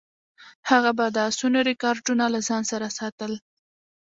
هغه به د اسونو ریکارډونه له ځان سره ساتل.